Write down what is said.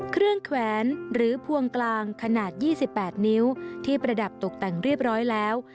แขวนหรือพวงกลางขนาด๒๘นิ้วที่ประดับตกแต่งเรียบร้อยแล้ว